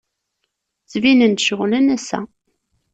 Ttbinen-d ceɣlen assa.